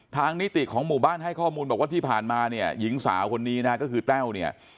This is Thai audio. นิติของหมู่บ้านให้ข้อมูลบอกว่าที่ผ่านมาเนี่ยหญิงสาวคนนี้นะฮะก็คือแต้วเนี่ย